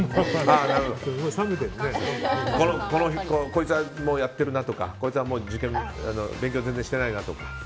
こいつはやってるなとか勉強全然してないなとか。